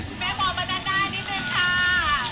แม่หมอมาดันได้นิดหนึ่งค่ะ